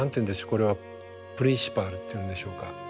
これはプリンシパルというんでしょうか。